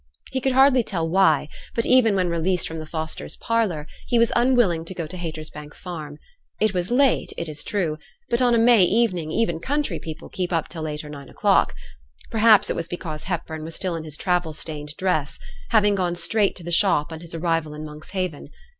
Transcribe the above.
He could hardly tell why, but even when released from the Fosters' parlour, he was unwilling to go to Haytersbank Farm. It was late, it is true, but on a May evening even country people keep up till eight or nine o'clock. Perhaps it was because Hepburn was still in his travel stained dress; having gone straight to the shop on his arrival in Monkshaven.